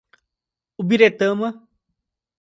Ubiretama